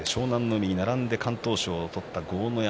海に並んで敢闘賞を取った豪ノ山。